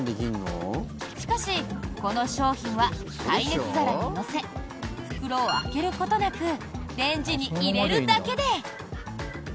しかし、この商品は耐熱皿に乗せ袋を開けることなくレンジに入れるだけで。